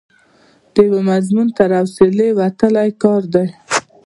د یوه مضمون تر حوصلې وتلی کار دی.